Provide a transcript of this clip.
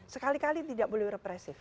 sekali kali tidak boleh represif